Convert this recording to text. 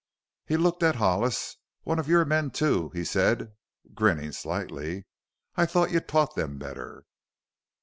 He looked at Hollis. "One of your men, too," he said, grinning slightly. "I thought you taught them better!"